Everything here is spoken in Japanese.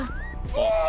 ああ！